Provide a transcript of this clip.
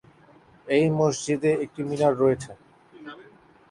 এই মসজিদে একটি মিনার রয়েছে।